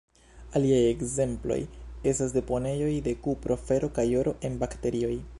Aliaj ekzemploj estas deponejoj de kupro, fero kaj oro en bakterioj.